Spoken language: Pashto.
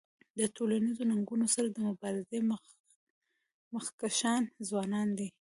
د ټولنیزو ننګونو سره د مبارزې مخکښان ځوانان دي.